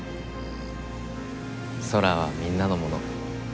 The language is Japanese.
空はみんなのもの。